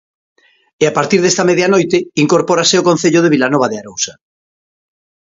E a partir desta medianoite incorpórase o concello de Vilanova de Arousa.